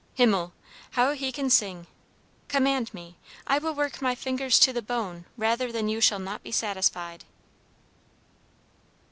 Himmel! how he can sing! Command me! I will work my fingers to the bone rather than you shall not be satisfied."